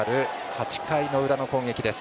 ８回の裏の攻撃です。